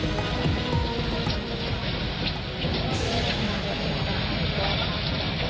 วันนี้พวกฐานใดฐานเราจะไปเข้าไปยากที่นี่